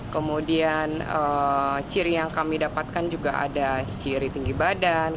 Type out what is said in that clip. kemudian ciri yang kami dapatkan juga ada ciri tinggi badan